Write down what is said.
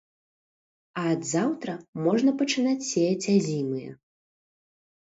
А ад заўтра можна пачынаць сеяць азімыя.